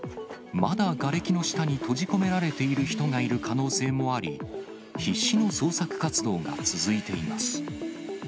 まだがれきの下に閉じ込められている人がいる可能性もあり、必死の捜索活動が続いています。